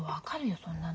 そんなの。